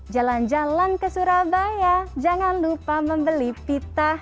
jalan jalan ke surabaya jangan lupa membeli pita